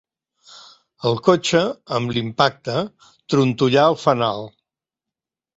El cotxe, amb l'impacte, trontollà el fanal.